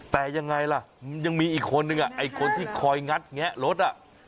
แต่ยังไงล่ะมันยังมีอีกคนนึงไอ้คนที่คอยงัดแงะรถอ่ะ